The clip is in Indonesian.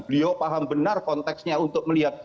beliau paham benar konteksnya untuk melihat